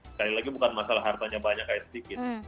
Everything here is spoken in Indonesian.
sekali lagi bukan masalah hartanya banyak kayak sedikit